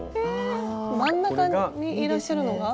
え真ん中にいっらしゃるのが。